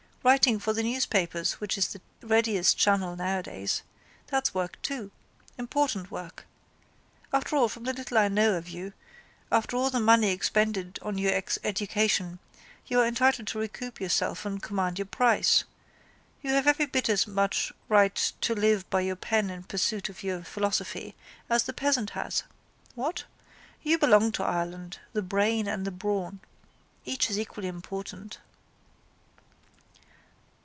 Writing for the newspapers which is the readiest channel nowadays. That's work too. Important work. After all, from the little I know of you, after all the money expended on your education you are entitled to recoup yourself and command your price. You have every bit as much right to live by your pen in pursuit of your philosophy as the peasant has. What? You both belong to Ireland, the brain and the brawn. Each is equally important.